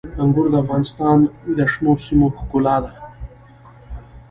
انګور د افغانستان د شنو سیمو ښکلا ده.